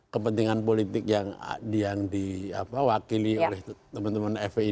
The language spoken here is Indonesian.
kepentingan politik yang diwakili oleh teman teman fpi